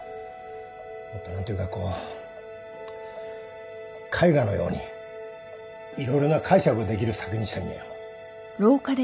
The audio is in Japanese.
もっと何というかこう絵画のように色々な解釈のできる作品にしたいんだよ。